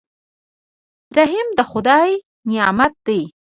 رحم د خدای نعمت دی.